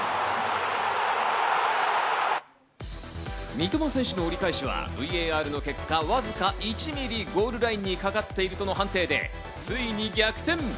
三笘選手の折り返しはＶＡＲの結果、わずか１ミリ、ゴールラインにかかっているとの判定で、ついに逆転！